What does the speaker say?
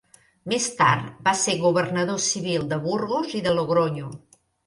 Més tard va ser Governador Civil de Burgos i de Logronyo.